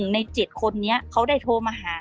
ใน๗คนนี้เขาได้โทรมาหา